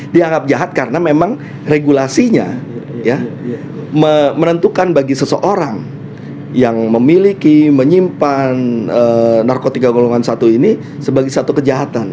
dianggap jahat karena memang regulasinya menentukan bagi seseorang yang memiliki menyimpan narkotika golongan satu ini sebagai satu kejahatan